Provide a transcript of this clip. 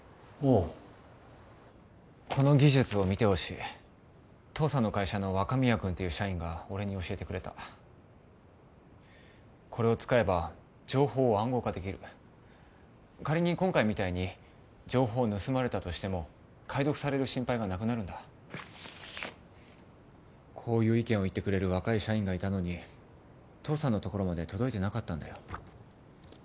あこの技術を見てほしい父さんの会社の若宮君っていう社員が俺に教えてくれたこれを使えば情報を暗号化できる仮に今回みたいに情報を盗まれたとしても解読される心配がなくなるんだこういう意見を言ってくれる若い社員がいたのに父さんのところまで届いてなかったんだよ